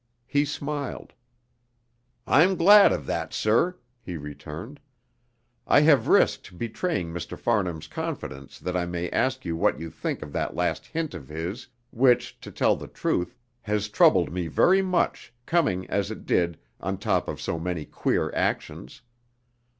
He smiled. "I'm glad of that, sir," he returned. "I have risked betraying Mr. Farnham's confidence that I may ask you what you think of that last hint of his, which, to tell the truth, has troubled me very much, coming, as it did, on top of so many queer actions.